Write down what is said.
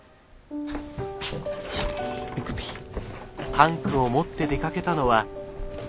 タンクを持って出かけたのは。